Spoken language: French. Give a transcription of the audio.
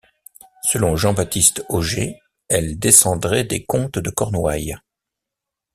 Selon Jean-Baptiste Ogée, elle descendrait des comtes de Cornouaille.